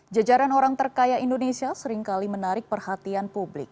jajaran orang terkaya indonesia seringkali menarik perhatian publik